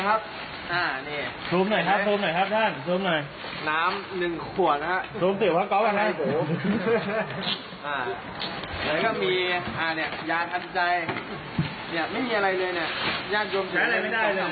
ยาโจมตีปัจจัยสามสามร้อยเนี่ยมันไม่ได้ประโยชน์อะไรกับพระเลยนะครับ